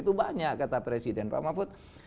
itu banyak kata presiden pak mahfud